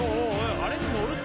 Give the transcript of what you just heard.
あれに乗るって？